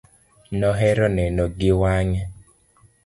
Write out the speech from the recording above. Nohero neno gi wange.